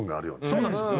そうなんですよ。